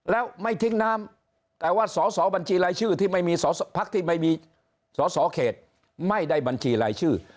และไม่ทิ้งน้ำแต่ว่าพักที่ไม่มีสอสเขตไม่ได้บัญชีรายชื่อ